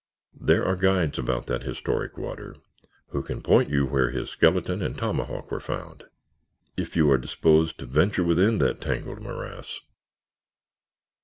There are guides about that historic water who can point you where his skeleton and tomahawk were found—if you are disposed to venture within that tangled morass.